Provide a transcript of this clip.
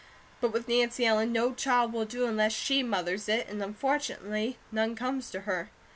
But with Nancy Ellen, NO CHILD will do unless she mothers it, and unfortunately, none comes to her."